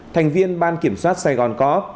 thành viên ban kiểm soát sài gòn co op